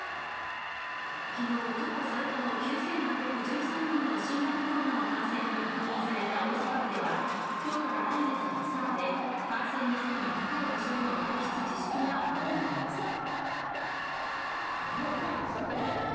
昨日過去最多の９８１３人の新型コロナの感染が確認された大阪府では、今日から来月２０日まで感染リスクが高い場所への外出自粛が求められます。